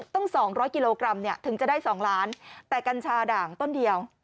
๒๐๐กิโลกรัมถึงจะได้๒ล้านแต่กัญชาด่างต้นเดียว